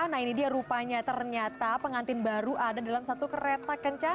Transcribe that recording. nah ini dia rupanya ternyata pengantin baru ada dalam satu kereta kencana